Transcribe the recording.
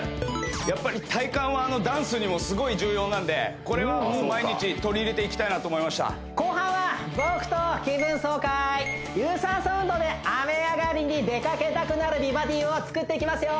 やっぱり体幹はダンスにもすごい重要なんでこれはもう毎日取り入れていきたいなと思いました後半は僕と気分爽快有酸素運動で雨上がりに出かけたくなる美バディをつくっていきますよ